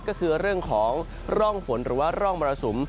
ก็คือเรื่องของร่องฝนหรือว่าร่องมรสุม